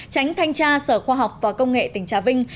tránh thanh tra sở khoa học và công nghệ tỉnh trà vinh